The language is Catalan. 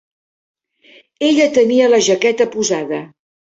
Ella tenia la jaqueta posada.